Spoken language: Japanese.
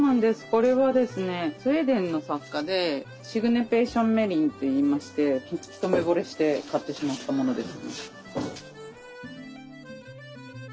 これはですねスウェーデンの作家でシグネ・ペーション・メリンといいまして一目ぼれして買ってしまったものです。